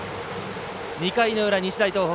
２回の裏、日大東北。